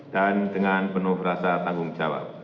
dan dengan penuh rasa tanggung jawab